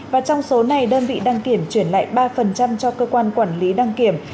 và trong số này đơn vị đăng kiểm chuyển lại ba cho cơ quan quản lý đăng kiểm